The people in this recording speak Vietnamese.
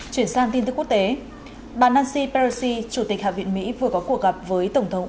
chuyển sang tin tức quốc tế bà nancy perushi chủ tịch hạ viện mỹ vừa có cuộc gặp với tổng thống